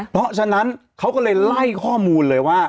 เพราะฉะนั้นเขาก็เลยไล่ข้อมูลเลยว่า